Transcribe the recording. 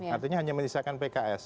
artinya hanya menisahkan pks